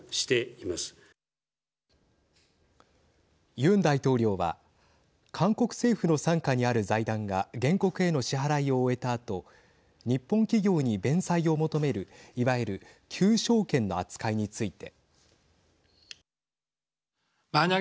ユン大統領は韓国政府の傘下にある財団が原告への支払いを終えたあと日本企業に弁済を求めるいわゆる求償権の扱いについて。